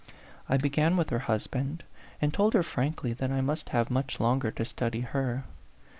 I began with her husband, and told her frankly that I must A PHANTOM LOVER. 85 have much longer to study her.